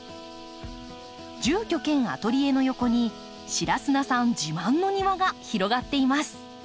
住居兼アトリエの横に白砂さん自慢の庭が広がっています。